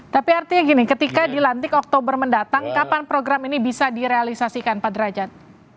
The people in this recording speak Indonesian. tapi artinya gini ketika dilantik oktober mendatang kapan program ini bisa direalisasikan pak derajat